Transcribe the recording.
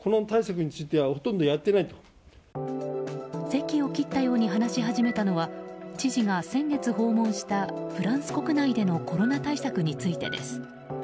せきを切ったように話し始めたのは知事が先月訪問したフランス国内でのコロナ対策についてです。